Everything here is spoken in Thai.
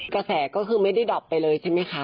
กระแสก็คือไม่ได้ดอบไปเลยใช่ไหมคะ